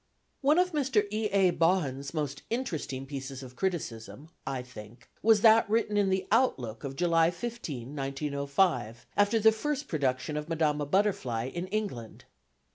One of Mr. E. A. Baughan's most interesting pieces of criticism, I think, was that written in the Outlook of July 15, 1905, after the first production of Madama Butterfly in England.